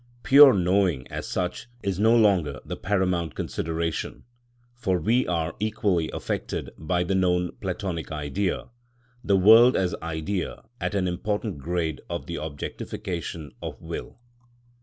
Pure knowing as such is no longer the paramount consideration, for we are equally affected by the known Platonic Idea, the world as idea at an important grade of the objectification of will.